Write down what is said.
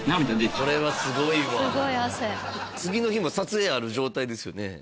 これはすごいわすごい汗次の日も撮影ある状態ですよね